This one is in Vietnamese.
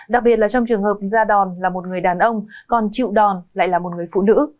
đặc biệt là trong trường hợp da đòn là một người đàn ông còn chịu đòn lại là một người phụ nữ